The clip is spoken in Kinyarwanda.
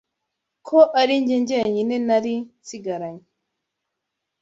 Ko ari njye jyenyine nari nsigaranye.